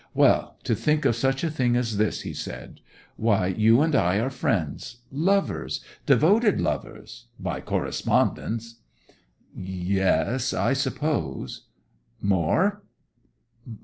'Well, to think of such a thing as this!' he said. 'Why, you and I are friends—lovers—devoted lovers—by correspondence!' 'Yes; I suppose.' 'More.